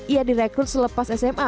ia direkrut selepas smp